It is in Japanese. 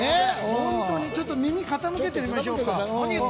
本当にちょっと耳傾けてみましょうか。